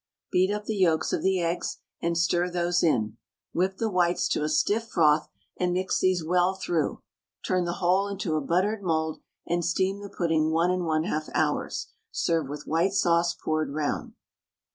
Beat up the yolks of the eggs and stir those in, whip the whites to a stiff froth and mix these well through, turn the whole into a buttered mould, and steam the pudding 1 1/2 hours. Serve with white sauce poured round.